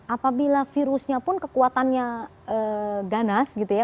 apabila virusnya pun kekuatannya ganas gitu ya